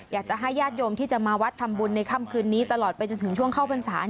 อยากจะให้ญาติโยมที่จะมาวัดทำบุญในค่ำคืนนี้ตลอดไปจนถึงช่วงเข้าพรรษา